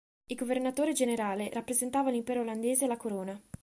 Il governatore generale rappresentava l'impero olandese e la Corona.